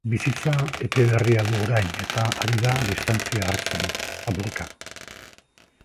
Bizitza epe berria du orain eta ari da distantzia hartzen, apurka.